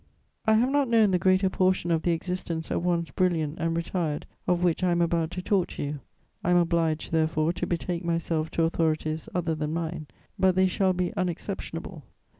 I have not known the greater portion of the existence at once brilliant and retired of which I am about to talk to you: I am obliged, therefore, to betake myself to authorities other than mine; but they shall be unexceptionable.